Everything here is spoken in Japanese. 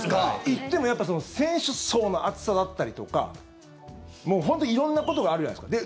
いっても選手層の厚さだったりとか本当に色んなことがあるじゃないですか。